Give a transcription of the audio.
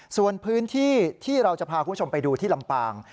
ส่วนพื้นที่ที่เราจะพาคุณผู้ชมไปดูที่ลำปาง